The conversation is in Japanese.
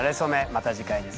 また次回です。